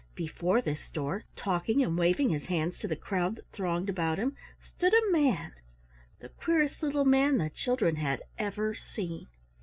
Before this door, talking and waving his hands to the crowd that thronged about him, stood a man the queerest little man the children had ever seen!